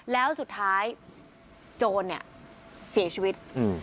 แล้วสุดท้ายโจรเนี่ยเสียชีวิต